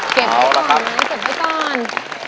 เก็บไว้ก่อนไหมเก็บไว้ก่อน